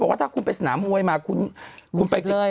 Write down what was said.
เขาบอกว่าถ้าคุณไปสนามมวยมาคุณมีสิทธิ์เลย